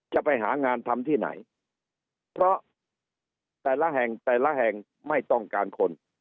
จะไปหางานทำที่ไหนเพราะแต่ละแห่งแต่ละแห่งไม่ต้องการคน